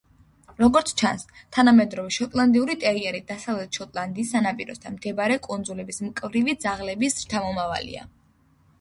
როგორც ჩანს, თანამედროვე შოტლანდიური ტერიერი დასავლეთ შოტლანდიის სანაპიროსთან მდებარე კუნძულების მკვიდრი ძაღლების შთამომავალია.